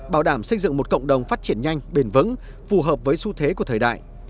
bảo đảm xây dựng một cộng đồng phát triển nhanh bền vững phù hợp với xu thế của thời đại